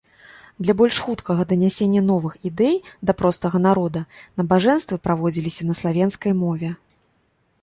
Для больш хуткага данясення новых ідэй да простага народа, набажэнствы праводзіліся на славенскай мове.